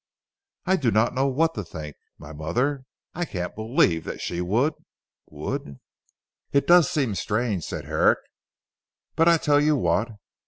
"I do not know what to think. My mother I can't believe that she would would." "It does seem strange," said Herrick, "but I tell you what.